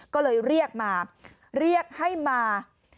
ก็เลยเรียกมาเรียกให้มา